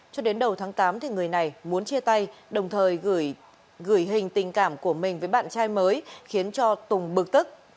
cho đến đầu tháng tám người này muốn chia tay đồng thời gửi hình tình cảm của mình với bạn trai mới khiến cho tùng bực tức